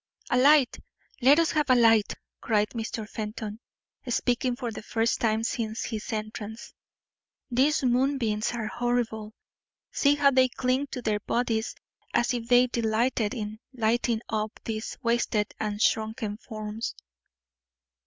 "A light! let us have a light!" cried Mr. Fenton, speaking for the first time since his entrance. "These moonbeams are horrible; see how they cling to the bodies as if they delighted in lighting up these wasted and shrunken forms."